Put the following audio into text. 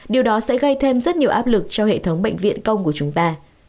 điều đó sẽ gây thêm rất nhiều áp lực cho hệ thống bệnh viện công của chúng ta